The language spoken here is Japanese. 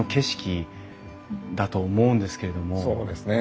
そうですね。